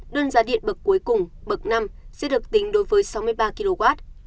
đơn giá điện bậc cuối cùng bậc năm sẽ được tính đối với sáu mươi ba kw